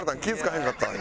へんかったわ今。